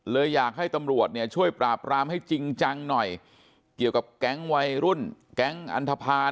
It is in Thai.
เลยอยากให้ตำรวจเนี่ยช่วยปราบรามให้จริงจังหน่อยเกี่ยวกับแก๊งวัยรุ่นแก๊งอันทภา